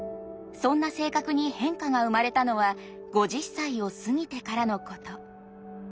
そんな性格に変化が生まれたのは５０歳を過ぎてからのこと。